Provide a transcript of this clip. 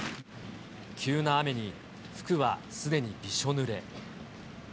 急な雨に、服はすでにびしょ